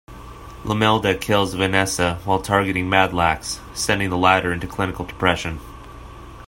Limelda kills Vanessa while targeting Madlax, sending the latter into clinical depression.